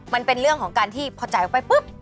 มันเป็นเรื่องของการที่พอจ่ายออกไปปุ๊บ